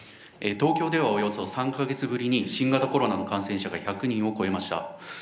東京ではおよそ３か月ぶりに、新型コロナの感染者が１００人を超えました。